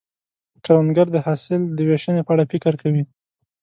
کروندګر د حاصل د ویشنې په اړه فکر کوي